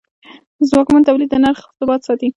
ځواکمن تولید د نرخ ثبات ساتي.